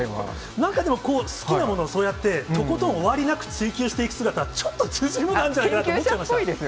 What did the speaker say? なんかでも、好きなものをそうやってとことん終わりなく追求していく姿、ちょっと通じるものがあるんじゃないかなと思っちゃいました。